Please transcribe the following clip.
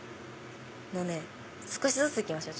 少しずつ行きましょう。